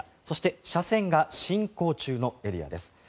そして、斜線が侵攻中のエリアです。